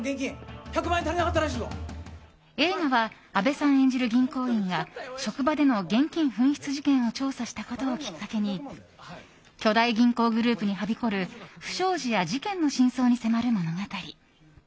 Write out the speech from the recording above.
映画は阿部さん演じる銀行員が職場での現金紛失事件を調査したことをきっかけに巨大銀行グループにはびこる不祥事や事件の真相に迫る物語。